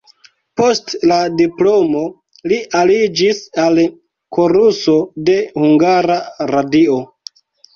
Post la diplomo li aliĝis al koruso de Hungara Radio.